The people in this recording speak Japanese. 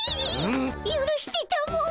ゆるしてたも。